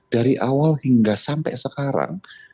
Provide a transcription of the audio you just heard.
dari awal hingga sampai sekarang